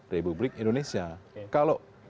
republik indonesia kalau